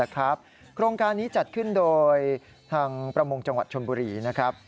โครงการนี้จัดขึ้นโดยทางประมงจังหวัดชนบุรีนะครับ